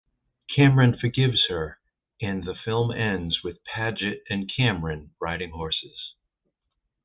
Cameron forgives her and the film ends with Padgett and Cameron riding horses.